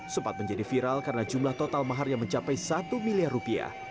sempat menjadi viral karena jumlah total mahar yang mencapai satu miliar rupiah